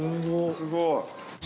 すごい。